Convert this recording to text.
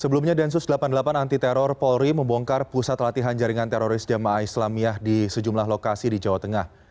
sebelumnya densus delapan puluh delapan anti teror polri membongkar pusat latihan jaringan teroris jamaah islamiyah di sejumlah lokasi di jawa tengah